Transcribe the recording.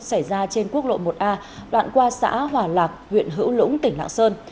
xảy ra trên quốc lộ một a đoạn qua xã hòa lạc huyện hữu lũng tỉnh lạng sơn